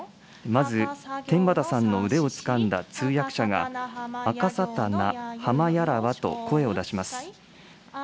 まず、天畠さんの腕をつかんだ通訳者が、あかさたな、はまやらわと声を出します。